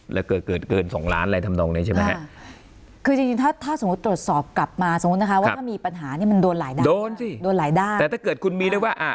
แล้วเกิดเกิดเกินสองล้านอะไรทำตรงนี้ใช่ไหมฮะคือจริงจริงถ้าถ้าสมมุติตรวจสอบกลับมา